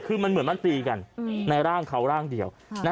คือมันเหมือนมันตีกันในร่างเขาร่างเดียว